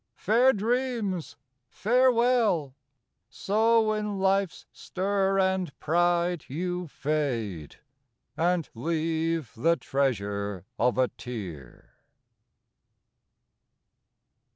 Fair dreams, farewell! So in life's stir and pride You fade, and leave the treasure of a tear!